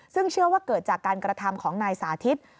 ซึ่งเชื่อว่าเกิดจากการกระทำของนายสาธิต